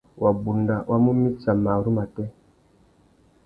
Wabunda wa mú mitsa marru matê.